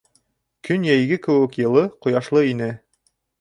Көн йәйге кеүек йылы, ҡояшлы ине.